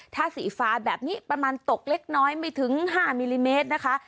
ถ้าสีฟ้าแบบนี้ประมาณตกเล็กน้อยไม่ถึง๕มิลลิเมตรนะคะ